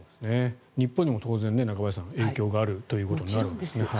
日本にも当然、中林さん影響があるということですよね。